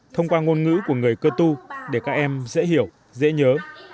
thông qua ngôn ngữ của người cơ tu để các em dễ hiểu dễ nhớ